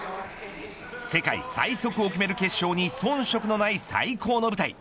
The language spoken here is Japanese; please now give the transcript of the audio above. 世界最速を決める決勝に遜色のない最高の舞台。